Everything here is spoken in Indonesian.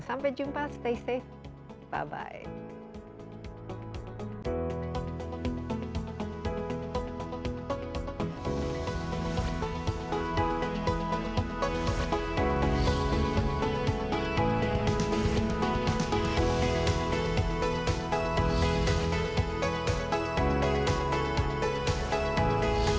sampai jumpa stay safe bye bye